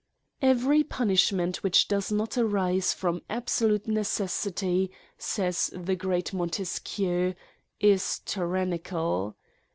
EVERY punishment which does not arise from absolute necessity, says the great Montes quieu, is tyrannical.